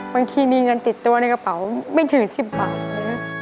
บางทีมีเงินติดตัวในกระเป๋าไม่ถึง๑๐บาท